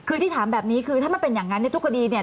คือที่ถามแบบนี้คือถ้ามันเป็นอย่างนั้นในทุกคดีเนี่ย